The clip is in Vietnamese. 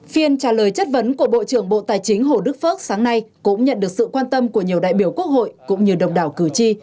phiên trả lời chất vấn của bộ trưởng bộ tài chính hồ đức phước sáng nay cũng nhận được sự quan tâm của nhiều đại biểu quốc hội cũng như đồng đảo cử tri